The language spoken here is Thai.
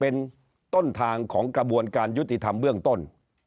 เป็นต้นทางของกระบวนการยุติธรรมเบื้องต้น